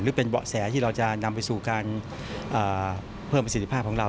หรือเป็นเบาะแสที่เราจะนำไปสู่การเพิ่มประสิทธิภาพของเรา